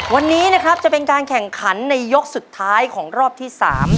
วันนี้นะครับจะเป็นการแข่งขันในยกสุดท้ายของรอบที่๓